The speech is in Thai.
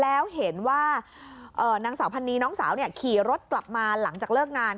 แล้วเห็นว่านางสาวพันนีน้องสาวขี่รถกลับมาหลังจากเลิกงาน